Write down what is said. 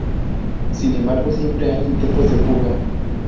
Sin embargo siempre hay intentos de fuga.